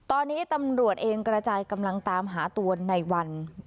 ตอนนี้ตำรวจเองกระจายกำลังตามหาตัวในวัน